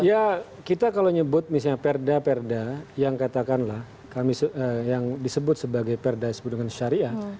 ya kita kalau nyebut misalnya perda perda yang katakanlah yang disebut sebagai perda yang disebut dengan syariah